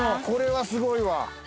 これはすごいわ。